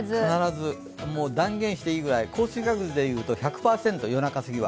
断言していいぐらい、降水確率で言うと１００％、夜中すぎは。